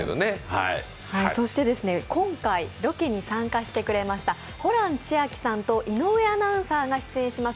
そして今回、ロケに参加してくれましたホラン千秋さんと井上アナウンサーが出演します